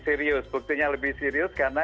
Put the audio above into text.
serius buktinya lebih serius karena